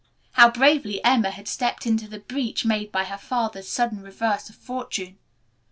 How bravely Emma had stepped into the breach made by her father's sudden reverse of fortune.